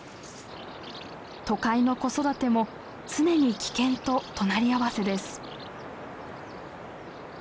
都会の子育ても常に危険と隣り合わせです。